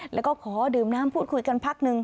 แล้วก็ขอดื่มน้ำพูดคุยกันพักหนึ่ง